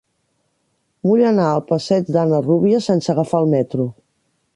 Vull anar al passeig d'Anna Rúbies sense agafar el metro.